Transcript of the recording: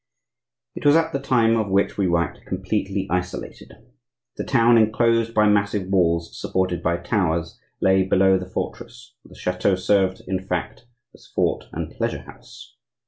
It was at the time of which we write completely isolated. The town, enclosed by massive walls supported by towers, lay below the fortress,—for the chateau served, in fact, as fort and pleasure house.